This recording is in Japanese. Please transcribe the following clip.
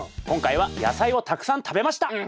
今回は野菜をたくさん食べました。